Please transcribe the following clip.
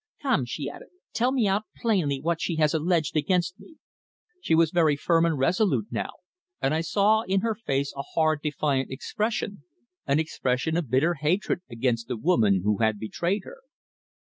Come," she added, "tell me out plainly what she has alleged against me?" She was very firm and resolute now, and I saw in her face a hard, defiant expression an expression of bitter hatred against the woman who had betrayed her.